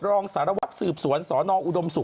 รองสารวัตรสืบสวนสนอุดมศุก